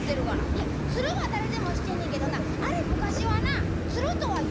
「いやつるは誰でも知ってんねんけどなあれ昔はなつるとは言わなんだんやで」。